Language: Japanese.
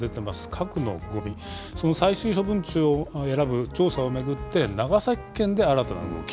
核のごみ、その最終処分地を選ぶ調査を巡って、長崎県で新たな動き。